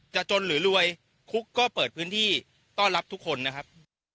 จนหรือรวยคุกก็เปิดพื้นที่ต้อนรับทุกคนนะครับ